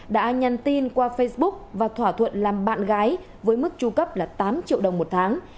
đã nhắn tin qua facebook và thỏa thuận làm bạn gái với mức tru cấp là tám triệu đồng một tháng